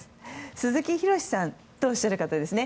鈴木浩さんとおっしゃる方ですね。